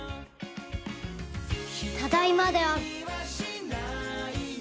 ただいまである。